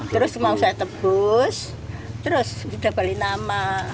terus mau saya tebus terus sudah balik nama